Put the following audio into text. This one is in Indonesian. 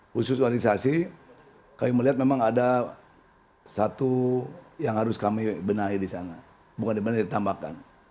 khusus organisasi kami melihat memang ada satu yang harus kami benahi di sana bukan di benahi ditambahkan